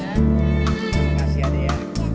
kamu kasih ade ya